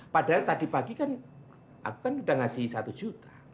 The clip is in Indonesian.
padahal tadi pagi kan aku kan sudah ngasih satu juta